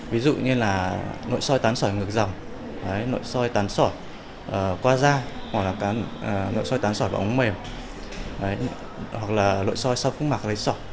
ví dụ như là nội soi tán sỏi ngược dòng nội soi tán sỏi qua da hoặc là nội soi tán sỏi vào ống mềm hoặc là nội soi sau cúng mạc lấy sỏi